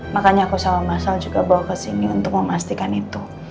makanya aku sama masal juga bawa kesini untuk memastikan itu